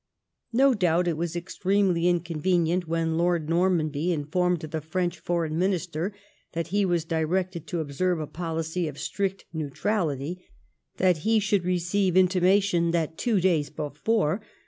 No doubt it was extremely inconvenient, when Lord Normanby informed the French Foreign Minister that he was directed to observe a policy of strict neutrality, that he should receive intimation that, two days before.